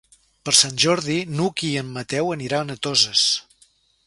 Per Sant Jordi n'Hug i en Mateu aniran a Toses.